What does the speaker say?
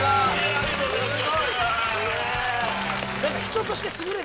ありがとうございます。